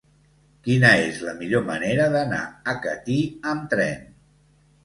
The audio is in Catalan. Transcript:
Quina és la millor manera d'anar a Catí amb tren?